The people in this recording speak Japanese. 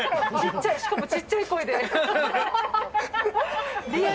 しかもちっちゃい声で。